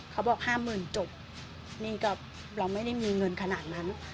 เขาบอกห้าหมื่นจบนี่ก็เราไม่ได้มีเงินขนาดนั้น